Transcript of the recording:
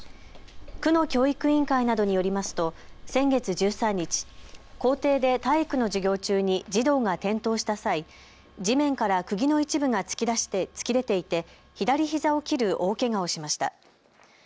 区の教育委員会などによりますと先月１３日、校庭で体育の授業中に児童が転倒した際、地面からくぎの一部が突き出ていて左ひざを切る大けがをしました。